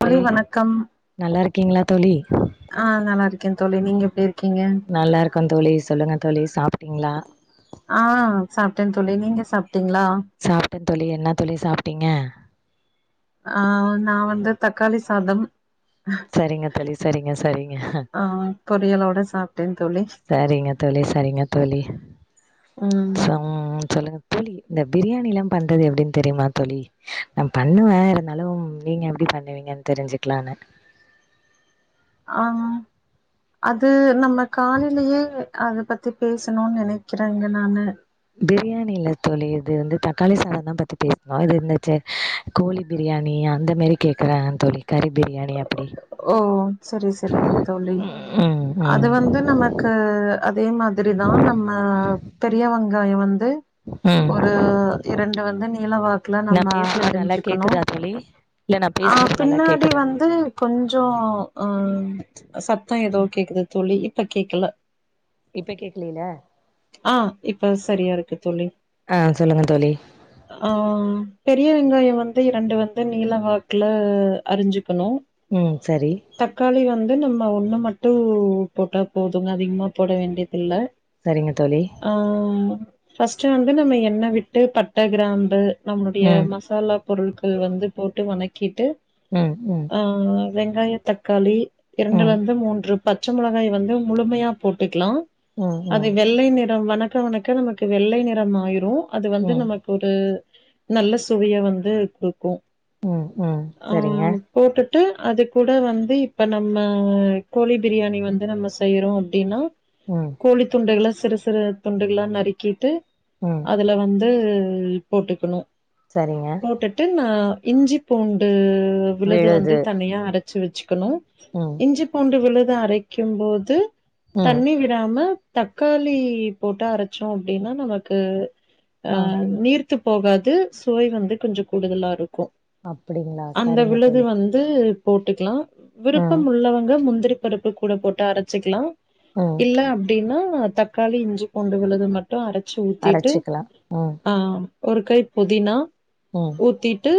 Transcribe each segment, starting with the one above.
ப்லே தோழி வணக்கம் நல்லா இருக்கீங்ளா தோழி ஆ நல்லா இருக்கேந்தோழி நீங்க எப்டி இருக்கீங்க நல்லா இருக்கோ தோழி சொல்லுங்க தோழி சாப்டிங்ளா ஆ சாப்டே தோழி நீங்க சாப்டிங்ளா சாப்டே தோழி என்ன தோழி சாப்ட்டிங்க ஆ நா வந்து தக்காளி சாதம் சரிங்க தோழி சரிங்க சரிங்க பொறியலோட சாப் டே தோழி சரிங்க தோழி சரிங்க தோழி ம் சோ சொல்லுங் தோழி இந்த பிரியாணில்லா பண்றது எப்டினு தெரிமா தோழி நா பண்ணுவே இருந்தாலு நீங்க எப்டி பண்ணுவிங்கனு தெரிஞ்சுக்லானு ஆம் அது நம்ம காலைலயே அத பத்தி பேசுனோ நெனைக் க்கிறங்க நானு பிரியாணி இல்ல தோழி இது வந்து தக்காளி சாதம் தா பத்தி பேசுணோ இது இந்த ச்ச கோழி பிரியாணி அந்த மேரி கேக்குற தோழி கறி பிரியாணி அப்டி ஓ சரி சரிங் தோழி ம் ம் அது வந்து நமக்கு அதே மாதிரி தா நம்ம பெரிய வெங்காய வந்து ம் ஒரு இரண்டு வந்து நீளவாக்குல நா நம்ம பேசுறது நல்லா அரச்சிக்கணு கேக்குதா தோழி இல்ல நா ஆ பேசுறது நல்லா பின்னாடி கேக்குதா வந்து கொஞ்சோ அ சத்தம் ஏதோ கேக்குது தோழி இப்ப கேக்கல இப்ப கேக்கலேல்ல அ இப்ப சரியா இருக்கு தோழி அ சொல்லுங்க தோழி அ பெரிய வெங்காயம் வந்து இரண்டு வந்து நீலவாக்குல அரிஞ்சுக்கணு ம் சரி தக்காளி வந்து நம்ம ஒண்ணு மட்டு போட்டா போது அதிகமா போட வேண்டியது இல்ல சரிங்க தோழி அ ஃபஸ்ட்டு வந்து நம்ம எண்ண விட்டு பட்ட கிராம்பு நம்முடைய ம் மசாலா பொருட்கள் வந்து போட்டு வதக்கிட்டு ம் ம் அ வெங்காய தக்காளி ம் இரண்டுல இருந்து மூன்று பச்ச மொளகாய் வந்து முழுமையா போட்டுக்கலா ம் அது ம் வெள்ளை நிறம் வனக் வனக்க வனக்க நமக்கு வெள்ளை நிறம் ஆயிரும் அது வந்து ம் நமக்கு ஒரு நல்ல சுவைய வந்து குடுக்கும் ம் ம் சரிங்க ம் போட்டுட்டு அது கூட வந்து இப்ப நம்ம கோழி பிரியாணி வந்து நம்ம செய்யறோ அப்டின்னா ம் கோழி துண்டுக்கள சிறு சிறு துண்டுகளா நறுக்கிட்டு ம் அதுல வந்து போட்டுக்கணு சரிங்க போட்டுட்டு நா இஞ்சி பூண்டு விழுது வந்து தனியா அரச்சு வச்சுக்கணு ம் இஞ்சி பூண்டு விழுது அரைக்கு போது ம் தண்ணி விட் போடாம தக்காளி போட்டு அரைச்சோ அப்டின்னா நமக்கு அ ஆ நீர்த்து போகாது சுவை வந்து கொஞ்சோ கூடுதலா இருக்கு அப்டிங்களா அந்த சரிங்க விழுது தோழி வந்து போட்டுக்கலா ம் விருப்பம் உள்ளவங்க முந்திரி பருப்பு கூட போட்டு அரைச்சுக்கலா ஒ இல்ல அப்டின்னா தக்காளி இஞ்சிபூண்டு விழுது மட்டு மட்டு அரைச்சு ஊத்திட்டு அரச்சிக்கலா ம் அ ஒரு கை புதினா மா ஊத்திட்டு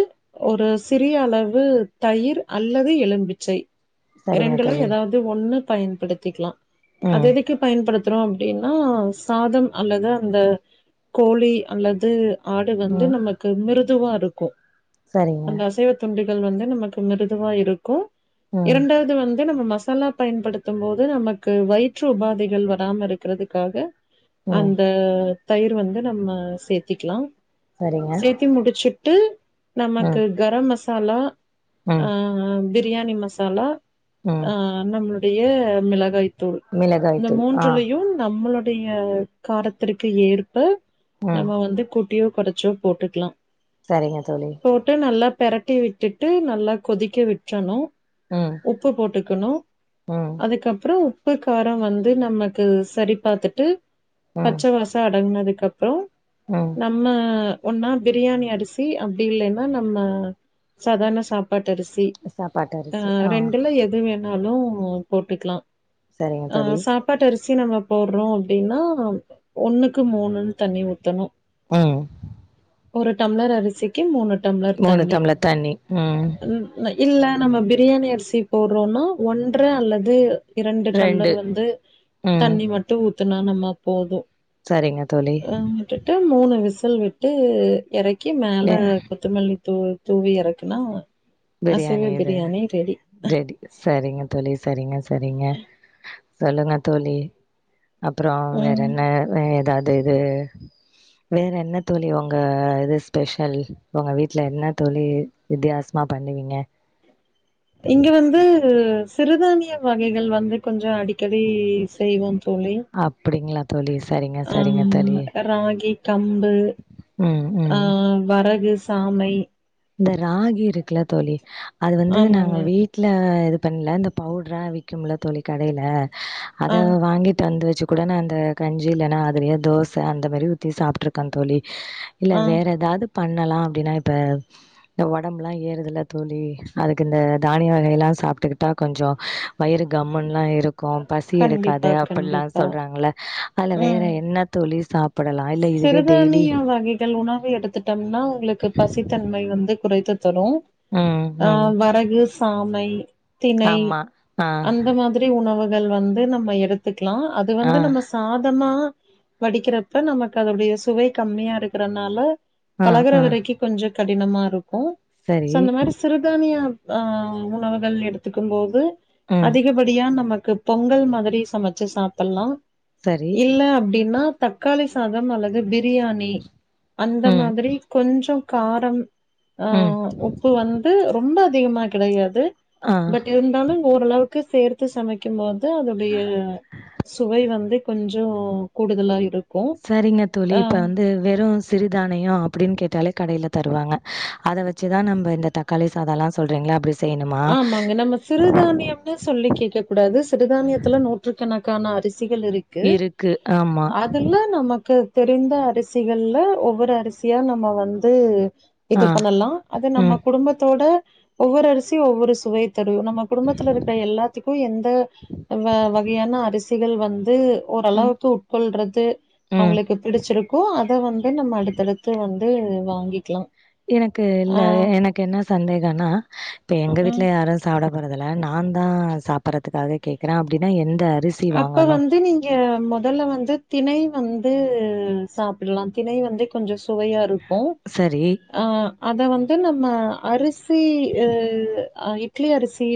ஒரு சிறிய அளவு தயிர் அல்லது எலும்பிச்சை சரிங்க ரெண்டுல தோழி ஏதாவது ஒண்ணு பயன்படுத்திக்கலா அது ம் எதுக்கு பயன்படுத்த [unintelligible] அப்டின்னா சாதம் அல்லது அந்த கோழி அல்லது ஆடு வந்து ம் நமக்கு மிருதுவா இருக்கு சரிங்க அந்த அசைவ துண்டுகள் வந்து நமக்கு மிருதுவா இருக்கு ம் இரண்டாவது வந்து நம்ம மசாலா பயன்படுத்தும் போது நமக்கு வயிற்று உபாதைகள் வராம இருக்கிறதுக்காக ம் அந்த தயிர் வந்து நம்ம சேத்திக்கலா சரிங்க சேத்தி முடிச்சுட்டு விட்டு ம் நமக்கு கரம் மசாலா ம் அ பிரியாணி மசாலா ம் அ நம்மளுடைய மிளகாய் தூள் தூள் மிளகாய் இந்த தூள் ஆ மூன்றுலையு நம்மளுடைய காரத்திற்கு ஏற்ப ம் நம்ம வந்து கூட்டியோ குறைச்சோ போட்டுக்கலா சரிங்க தோழி விட்டு நல்லா பெரட்டி விட்டுட்டு நல்லா கொதிக்க விட்டுரணு ம் உப்பு போட்டுக்கணு ம் அதுக்கப்றோ உப்பு காரம் வந்து நமக்கு சரி பாத்துட்டு ம் பச்ச வாச அடங்னதுக்கப்றோம் ம் நம்ம ஒன்னா பிரியாணி அரிசி அப்டி இல்லன்னா நம்ம சாதார்ண சாப் பாட்டரிசி சாப்பாட்டு ஆ அரிசி ரெண்டுல எத் து வேணாலும் போட்டுக்லா சரிங்க ஆ தோழி சாப் ப்பாட்டு அரிசி நம்ம போடுறோம் அப்டின்னா ஒண்ணுக்கு மூணுன் தண்ணி ஊத்தணும் ம் ஒரு டம்ளர் அரிசிக்கு மூணு டம்ளர் மூணு தண்ணி டம்ளர் தண்ணி ம் இல்ல நம்ம பிரியாணி அரிசி போட்றோன்னா ஒன்ற அல்லது ரெண்டு டம்ளர் வந்து ம் தண்ணி மட்டும் ஊத்துனா நம்ம போதும் சரிங்க தோழி என் கிட்ட மூணு விசில் விட்டு எறக்கி மேல எ குத் த்தமல்லி தூ தூவி எறக்குன்னோ பிரியாணி இது ரெடி சரிங்க தோழி சரிங்க சரிங்க சொல்லுங்க தோழி அப்புறம் வேற ம் என்ன எதாவ்து இது வேற என்ன தோழி உங்க இது ஸ்பெஷல் உங்க வீட்ல என்ன தோழி வித்தியாஸ் மா பண்ணுவீங்க இங்க வந்து ஒரு சிறுதானிய வகைகள் வந்து கொஞ்சோ அடிக்கடி செய்வ தோழி அப்டிங்களா தோழி சரிங்க சரிங்க அம் தோழி ராகி கம்பு ம் ஆ ம் வரகு சாமை இந்த ராகி இருக்குல தோழி அது வந்து நாங்க ஆமாங்க வீட் வீட்ல இது பண்ல இந்த பவுட்ரா விக்கும்ல தோழி கடைல ஆ அத வாங்கிட்டு வந்து வச் கூட நா அந்த கஞ்சி இல்லன்னா அதுலயே தோச அந்த மாரி ஊத்தி சாப்ட்ருக்கன் தோழி இல்ல ஆ வேற எதாவ்து பண்ணலாம் அப்டின்னா இப்ப இந்த ஒடம்புல்லா ஏறுதுல தோழி அதுக்கு இந்த தானிய வகையெல்லா சாப்ட்டுக்கிட்டா கொஞ்சோ வயிரு கம்முன்லா அயீரூம் கும் பசி எடுக்காது கண்டிப்பா அப்பில்லா கண்டிப்பா சொல்றாங்ள அது வேற ம் என்ன தோழி சாப் படலா இல்ல இதுவே டெய்லி சிறுதானிய வகைகள் உணவு எடுத்துட்டோம்னா உங்ளுக்கு பசித்தன்மை வந்து குறைத்து சன்னோ ம், அ ம். வரகு சாமை தினை ஆமா. ஆ. அந்த மாதிரி த உணவுகள் வந்து நம்ம எடுத்துக்லா அது ஆ வந்து நம்ம சாதமா வடிக்கிறக் கு நமக்கு அததுடைய சுவை கம்மியா இருக்கறனால ஆ பழகுற ஆ வரைக்கு கொஞ்சோ கடினமா இருக்கும் சோ சரி அந்த மாரி சிறுதானிய ஆ உணவுகள் எடுத்துக்கும் போது ம் அதிகப்படியா நமக்கு பொங்கல் மாதிரி சமச்சு சாப்பல்லா சரி இல்ல அப்டின்னா தக்காளி சாதம் அல்லது பிரியாணி அந்த ம் மாதிரி கொஞ்சம் காரம் ஆ ம் உப்பு வந்து ரொம்ப அதிகமா கிடயாது ஆ பட் இர் ரண்டும் ஓரளவுக்கு சேர்த்து சமைக்கும்போது அதன்டைய சுவை வந்து கொஞ்சம் கூடுதலா இருக் சரிங்க தோழி இப்ப வந்து வெறும் சிறுதானியம் அப்டின்னு கேட்டாலே கடையில தருவாங்க அத வச்சுதா நம்ம இந்த தக்காளி சாதம் எல்லாம் சொல்றீங்களா அப்டி செய்யணுமா ஆமாங்க நம்ம சிறுதானியம் ன்னு சொல்லி கேட்கக் கூடாது சிறுதானியத்துல நூற்றுக்கணக்கான அரிசிகள் இருக் க்கு இருக்கு ஆமா அதுல்ல நமக்கு தெரிந்த அரிசிகள்ல ஒவ்வொரு அரிசியா நம்ம வந்து இது ஆ பண்ணலா அது நம்ம ம் குடும்பத்தோட ஒவ்வொரு அரிசி ஒவ்வொரு சுவை தெரியு நம்ம குடும்பத்துல இருக்கிற எல்லாத்துக்கு எந்த வகையான அரிசிகள் வந்து ம் ஓரளவுக்கு உட்கொள்றது ம் அவங்களுக்கு படிச்சிருக்கு அத வந்து நம்ம அடுத்தடுத்து வந்து வாங்கிக்கலா எனக்கு இல்ல ஆ எனக்கு என்ன சந்தேகனா இப்ப எங்க ம் வீட்டுல யாரு சாதொ வறதுல நா தா சாப்படுறதுக்காக கேக்றே அப்டின்னா எந்த அரிசி அப்போ வாங்கணு வந்து இங்க முதல்ல வந்து திணை வந்து சாப்பில்லா திணை வந்து கொஞ்ச சுவையா இருக்கு சரி அ அத வந்து நம்ம அரிசி சி அ இட்லி அரிசி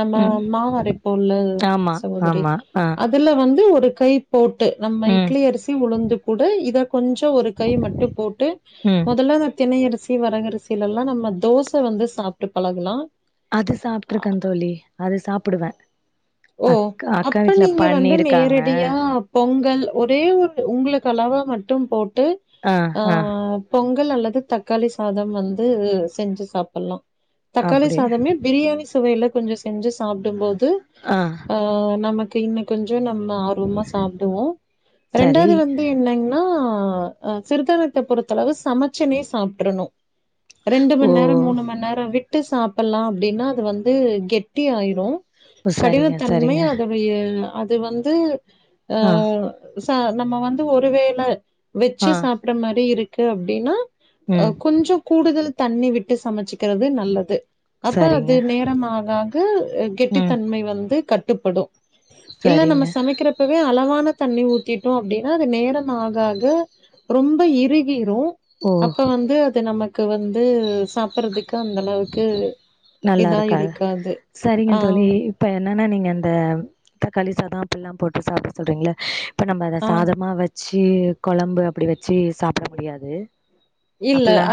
நம்ம ம் மாவு அரைப்போல ஆமா சகோதரி ஆமா ஆ அதுல வந்து ஒரு கைப் போட்டு நம்ம ம் இட்லி அரிசி உளுந்து கூட இத கொஞ்ச ஒரு கை மட்டும் போட்டு ம் முதல்ல இந்த தினையரிசி வரகரிசியில எல்லா நம்ம தோச வந்து சாப்பிட்டு பழகுனோ அது சாப்பிட்டுருக்கே தோழி அது சாப்பிடுவே ஓ அப்ப நீங்க வந்து நேரடியா பொங்கல் ஒரே ஒரு உங்களுக்கு அளவா மட்டும் போட்டு ஆ பொங்கல் அல்லது தக்காளி சாதம் வந்து செஞ்சு சாப்பிடலா தக்காளி அப்டி சாதமே பிரியாணி சுவையில கொஞ்ச செஞ்சு சாப்பிடும் போது ஆ ஒ நமக்கு இன்னு கொஞ்ச நம்ம ஆர்வமா சாப்பிடுவோ சரி ரெண்டாவது வந்து என்ன ஹ சிறுதானத்த பொறுத்த அளவு சமைச்சனே சாப்ட்டுறணு ரெண்டு ஓ மணிநேரம் மூணு மணி நேரம் விட்டு சாப்பலா அப்டின்னா வந்து கெட்டி ஆயிரு சரிங்க கடினத்தன்மை சரிங்க அதன் ஆ அது வந்து ஆ ச நம்ம வந்து ஒருவேளை வெச்சி ஆ சாப்பற மாரி இருக்கு அப்டின்னா ஆ ம் கொஞ்ச கூடுதல் தண்ணி விட்டு சமைச்சுக்கிறது நல்லது அப்ப சரிங்க அது நேரமாக ஆக ம் கெட்டித்தன்மை வந்து கட்டுப்படும் இல்ல நம்ம சரிங்க சமைக்கிற இப்பவே அளவான தண்ணி ஊத்திட்டோ அப்டின்னா அது நேரம் ஆக ஆக ரொம்ப இறுவிரு ஓ அப்ப வந்து அது நமக்கு வந்து சாப் அறதுக்கு அந்த அளவுக்கு இதா நல்லாருக்கா இருக்காது ஆ இப்போ என்னன்னா நீங்கள் அந்த தக்காளி சாதாம் அப்டிலாம் போட்டு சாப்பிட சொல்றீங்கள இப்போ நம்ம அத ஆ சாதமாக வச்சி கொழம்பு அப்டி வச்சி சாப் சாப்பிட முடியாது அப்ல்லா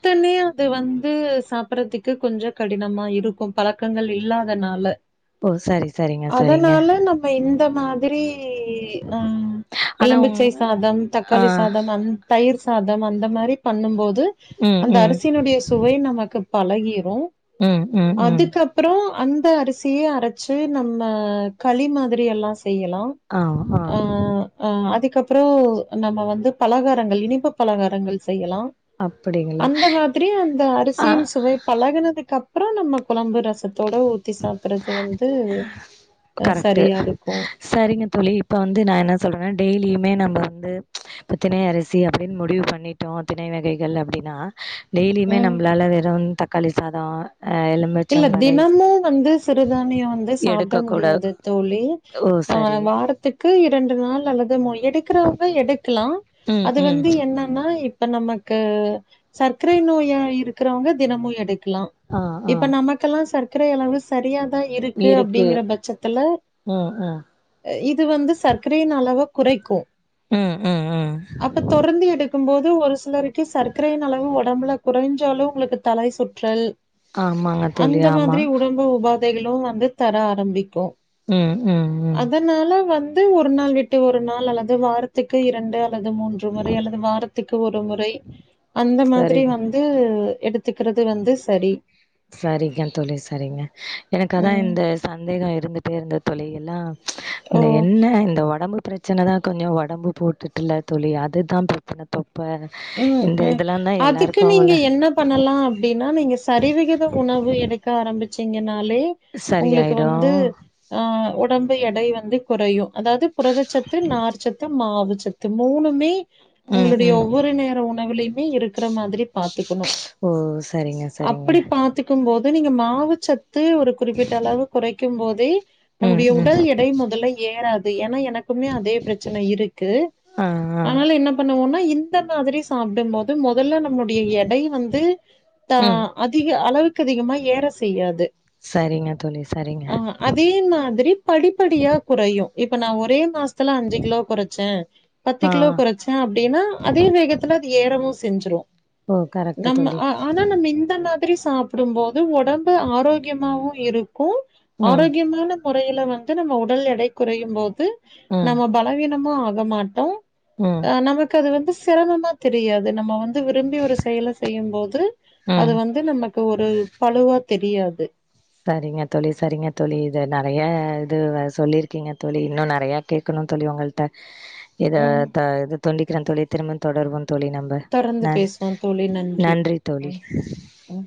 த்தனைய அது வந்து சாப்பிடறதுக்கு கொஞ்ச கடினமா இருக்கு பழக்கங்கள் இல்லாதனால ஓ சரி சரிங்க சரிங்க அதனால நம்ம இந்த மாதிரி எ ஆ ஆனா உங் எலும்பிச்சை சாதம் ஆ தக்காளி சாதம் அந் தயிர் சாதம் அந்த மாரி பண்ணும் போது ம் அந்த ம் அருசியினுடைய சுவை நமக்கு பழகிரு ம் ம் ம் அதுக்கப் அப்றோ அந்த அரிசிய அரச்சி நம்ம களி மாதிரி எல்லா செய்யலா ஆ ஆ அ அ அதுக்கப்றோ நம்ம வந்து பலகா டங்கள் இனிப்பு பலகாரங்கள் செய்யலா அப்படிங்களா அந்த மாதிரி அந்த ஆ அரிசியின் சுவைப் பழகுனதுக்கு அப்புறோ நம்ம குழம்பு ரசத் தோட ஊத்தி சாப்புறது வந்து ஆ கரெக்ட்டு சரியா இருக்கு சரிங்க தோழி இப்போ வந்து நா என்ன சொல்றேனா டெய்லியுமே நம்ம வந்து இப்ப திணை அரிசி அப்டின் முடிவு பண்ணிட்டோ திணை வகைகள் அப்டின்னா டெய்லியுமே ம் நம்ளால வெறு தக்காளி சாதோ அ எலு இல்ல தினமு வந்து சிறுதானியோ வந்து சாப்ட எடுக்க கூட முடியாது தோழி ஓ ஆ சரி வாரத் துக்கு இரண்டு நாள் அல்லது மூ எடுக்றவங்க எடுக்லா ம் அது ம் வந்து என்ன னா இப்ப நமக்கு சர்க்ரை நோயா இருக்றவங்க தினமு எடுக்லா ஆ ஆ இப்ப நமக்கெல்லா சர்க்ரை அளவு சரியாதா இருக்கு அப்டிங்குற பட்சத்துல ம் ம் எ இது வந்து சர்க்கரையின் அளவ குறைக்கு ம் ம் ம் அப்ப தொடர்ந்து எடுக்கும் போது ஒரு சிலருக்கு சர்க்கரையின் அளவு உட் உடம்புல குறைஞ்சாலு உங்களுக்கு தலை சுற்றல் ஆமாங்க தோழி அந்த ஆமா மாதிரி உடம்பு உபாதைகளு வந்து தர ஆரம்பிக்கு ம் ம் ம் அதுனால வந்து ஒரு நாள் விட்டு ஒரு நாள் அல்லது வாரத்துக்கு இரண்டு அல்லது மூன்று ஒரு முறை அல்லது வாரத்துக்கு ஒரு முறை அந்த மாதிரி வந் சரிங்க வந்து எடுத்துக்றது வந்து சரி சரிங்க தோழி சரிங்க எனக்கு அதா ம். இந்த சந்தேகோ இருந்துட்டே இருந்து தோழி எல்லா ஓ! இந்த என்ன இந்த ஒடம்பு பிரச்சனைதா கொஞ்சோ ஒடம்பு போட்டுட்டுல் தோழி அது தா பிரச்சன தொப்ப ம் இந்த ம் இதெல்லா தா அதுக்கு எல்லாருக்கு நீங்க உள்ள என்ன பண்ணலா அப்டின்னா நீங்க சரிவிகித உணவு எடுக் க ஆரம்பிச்சிங்கனாலே உங்களுக்கு சரியாயிடு வந்து ஆ உடம்பு எடை வந்து குறையு அதாவது புரதச்சத்து நார் சத்து மாவு சத் து மூணுமே ம் உங்களுடைய ம் ஒ ஒரு நேர உணவுலயுமே இருக்கிற மாரி பாத்துக்கணு ஓ சரிங்க சரிங்க அப்டி பாத்துக் கும் போது நீங்க மாவு சத்து ஒரு குறிப்பிட்ட அளவு குறைக்கும் போதே ம் நம்முடைய ம் உடல் எடை மொதல்ல ஏறாது ஏனா எனக் எப்பவுமே அதே பிரச்சன இருக்கு ஆ ஆ ஆனாலு என்ன பண்ணுவோனா இந் இந்த மாதிரி சாப்டும்போது மொதல்ல நம்முடைய எடை வந்து தா ம் அதிக அளவுக்கு அதிகமா ஏற செய்யாது சரிங்க தோழி சரிங்க அ அதே மாதிரி படிப்படியா குறையு இப்ப நா ஒரே மாஸ் துல அஞ்சு கிலோ கொறச்சே பத்து ஆ கிலோ கொறச்சே அப்டினா அதே வேகத்துல அது ஏறவு செஞ்சுரு ஓ கரெக்ட்டு நம்ம தோழி ஆ ஆனா நம்ம இந்த மாதிரி சாப் டும்போது ஒடம்பு ஆரோக்யமாவு இருக்கு ம் ஆரோக்யமான முறையில வந்து நம்ம உடல் எடை குறையும் போது ம் நம்ம பலவீனமா ஆக மாட்டோ ம் ஆ நமக்கு அது வந்து சிரமமா தெரியாது நம்ம வந் து விரும்பி ஒரு செயல செய்யும்போது அது ம் வந்து நமக்கு ஒரு பழுவா தெரியாது சரிங்க தோழி சரிங்க தோழி இது நெறைய இது சொல்லியிருக்கீங்க தோழி இன்னு நெறைய கேக்கணு தோழி உங்கள்ட்ட இத ம். த துண்டிக்கிறோ தோழி திரும்ப தொடருவோன் தோழி நம் ப தொடர்ந்து நன் பேசுவோம் தோழி. நன்றி தோழி ம், ம்.